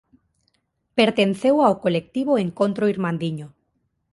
Pertenceu ao colectivo Encontro Irmandiño.